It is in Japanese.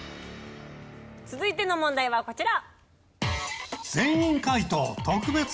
続いての問題はこちら！